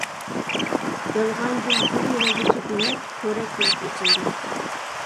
يالغان گۈل گۈل يېنىدا كېپىنەك، پورەك بولۇپ ئېچىلدى.